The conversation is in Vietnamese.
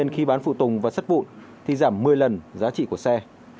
khi bán phụ tùng và sắt vụn thì giảm một mươi lần giá trị của xe